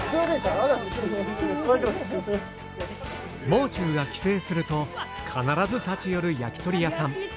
もう中が帰省すると必ず立ち寄る焼き鳥屋さん。